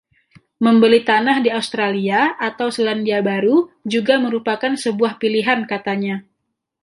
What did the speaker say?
Membeli tanah di Australia atau Selandia Baru juga merupakan sebuah pilihan, katanya.